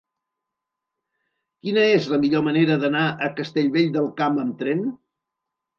Quina és la millor manera d'anar a Castellvell del Camp amb tren?